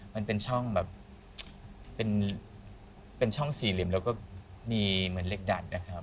มันเป็นช่องแบบเป็นช่องสี่เหลี่ยมแล้วก็มีเหมือนเหล็กดัดนะครับ